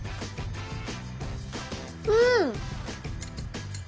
うん！